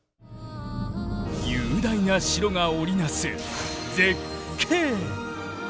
雄大な城が織り成す絶景！